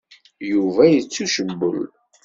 Yuba yettucewwel.